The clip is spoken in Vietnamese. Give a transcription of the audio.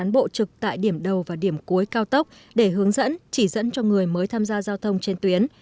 bộ trực tại điểm đầu và điểm cuối cao tốc để hướng dẫn chỉ dẫn cho người mới tham gia giao thông trên tuyến